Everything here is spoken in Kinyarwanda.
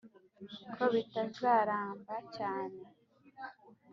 ko bitazaramba cyane